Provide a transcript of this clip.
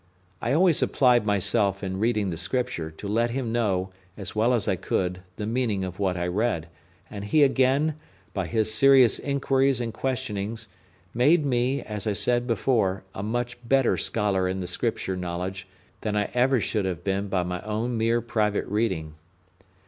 I always applied myself, in reading the Scripture, to let him know, as well as I could, the meaning of what I read; and he again, by his serious inquiries and questionings, made me, as I said before, a much better scholar in the Scripture knowledge than I should ever have been by my own mere private reading.